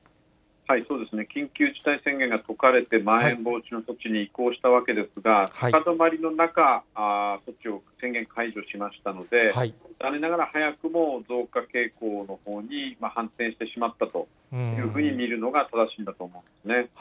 緊急事態宣言が解かれて、まん延防止の措置に移行したわけですが、高止まりの中、措置を、宣言解除しましたので、残念ながら早くも増加傾向のほうに反転してしまったというふうに見るのが正しいんだと思うんですね。